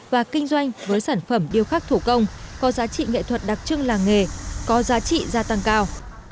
và kinh doanh với sản phẩm điêu khắc thủ công có giá trị nghệ thuật đặc trưng làng nghề có giá trị gia tăng cao